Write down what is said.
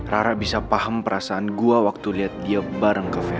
rara bisa paham perasaan gue waktu liat dia bareng ke vero